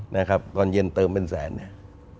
นะครับตอนเย็นเติมเป็นแสนเนี่ย